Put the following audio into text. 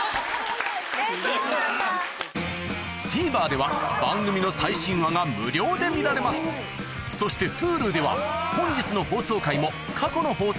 ＴＶｅｒでは番組の最新話が無料で見られますそしてＨｕｌｕでは本日の放送回も過去の放送回もいつでもどこでも見られます